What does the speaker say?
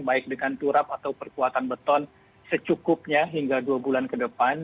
baik dengan turap atau perkuatan beton secukupnya hingga dua bulan ke depan